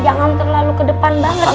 jangan terlalu kedepan banget